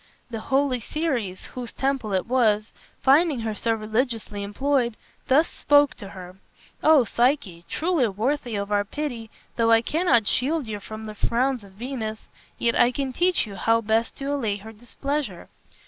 The holy Ceres, whose temple it was, finding her so religiously employed, thus spoke to her: "O Psyche, truly worthy of our pity, though I cannot shield you from the frowns of Venus, yet I can teach you how best to allay her displeasure.